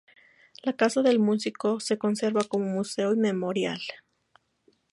La casa del músico se conserva como museo y memorial.